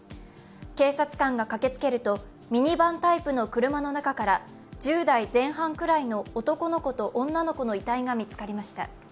警察官が駆けつけるとミニバンタイプの車の中から１０代前半くらいの男の子と女の子の遺体が見つかりました。